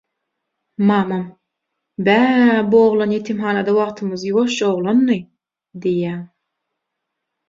Mamam "Bä bu oglan ýetimhanada wagtymyz ýuwaşja oglandy" diýýär.